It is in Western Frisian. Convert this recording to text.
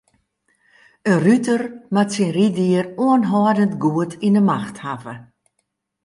In ruter moat syn ryddier oanhâldend goed yn 'e macht hawwe.